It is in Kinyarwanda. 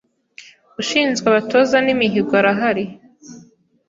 Ushinzwe abatoza n’imihigo arahari